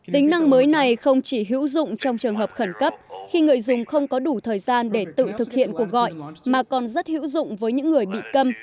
tính năng mới này không chỉ hữu dụng trong trường hợp khẩn cấp khi người dùng không có đủ thời gian để tự thực hiện cuộc gọi mà còn rất hữu dụng với những người bị cầm